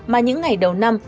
mà những ngày đầu năm